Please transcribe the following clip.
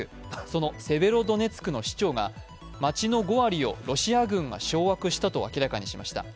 そのセベロドネツクの市長が街の５割をロシア軍が掌握したと明らかにしました。